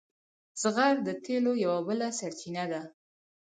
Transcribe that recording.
زغر د تیلو یوه بله سرچینه ده.